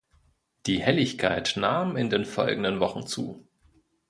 Die Helligkeit nahm in den folgenden Wochen zu.